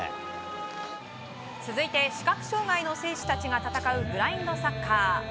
続いて、視覚障害の選手が戦うブラインドサッカー。